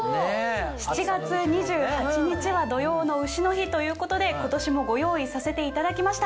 ７月２８日は土用の丑の日ということで今年もご用意させていただきました。